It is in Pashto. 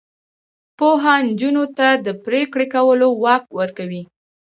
پوهه نجونو ته د پریکړې کولو واک ورکوي.